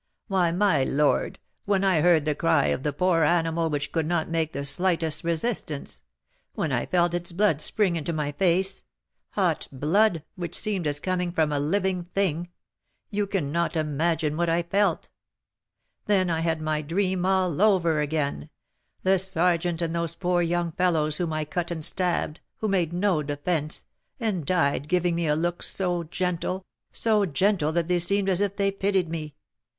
"Why, my lord, when I heard the cry of the poor animal which could not make the slightest resistance; when I felt its blood spring into my face, hot blood, which seemed as coming from a living thing; you cannot imagine what I felt; then I had my dream all over again, the sergeant and those poor young fellows whom I cut and stabbed, who made no defence, and died giving me a look so gentle, so gentle that they seemed as if they pitied me!